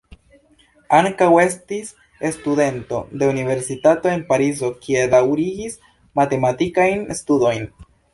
Ankaŭ estis studento de Universitato en Parizo, kie daŭrigis matematikajn studojn.